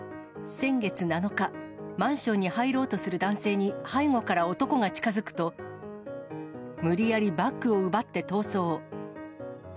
先月７日、マンションに入ろうとする男性に、背後から男が近づくと、無理やりバッグを奪って逃走。